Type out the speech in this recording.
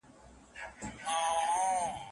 اوس به مي غوږونه تر لحده وي کاڼه ورته